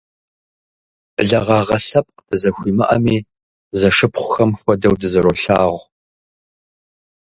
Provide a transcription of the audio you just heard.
Благъагъэ лъэпкъ дызэхуимыӏэми, зэшыпхъухэм хуэдэу дызэролъагъу.